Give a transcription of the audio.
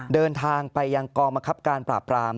เดินทางไปยังกองบังคับการปราบราม